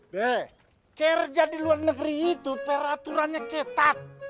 beh kerja di luar negeri itu peraturannya ketat